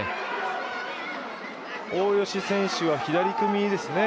大吉選手は左組みですね。